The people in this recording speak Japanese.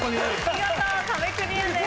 見事壁クリアです。